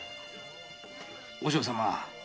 和尚様。